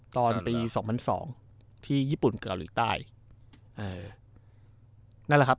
ตอนปี๒๐๐๒ที่ญี่ปุ่นเกาหลีใต้